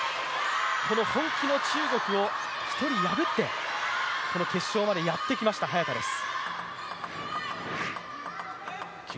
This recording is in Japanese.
この本気の中国を１人破って、この決勝までやって来ました早田です。